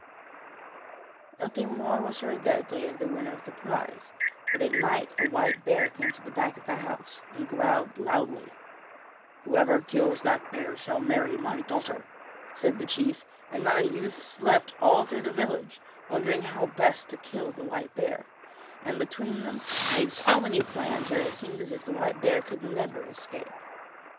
Nothing more was heard that day of the winner of the prize, but at night a white bear came to the back of the house, and growled loudly. 'Whoever kills that white bear shall marry my daughter,' said the chief, and not a youth slept all through the village, wondering how best to kill the white bear, and between them they made so many plans that it seemed as if the white bear could never escape.